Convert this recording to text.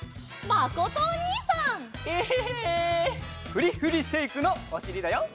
フリフリシェイクのおしりだよ。